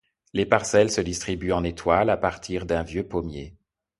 Les parcelles se distribuent en étoile à partir d’un vieux pommier.